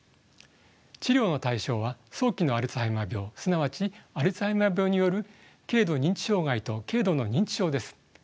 治療の対象は早期のアルツハイマー病すなわちアルツハイマー病による軽度認知障害と軽度の認知症です。